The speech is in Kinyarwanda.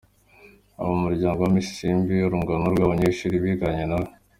abo mu muryango wa Miss Isimbi ,urungano rwe, abanyeshuri biganye na we,.